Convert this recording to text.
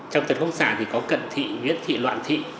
trong tật khúc xạ thì có cận thị viễn thị loạn thị